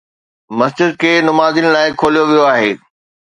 مسجد کي نمازين لاءِ کوليو ويو آهي